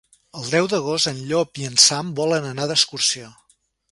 El deu d'agost en Llop i en Sam volen anar d'excursió.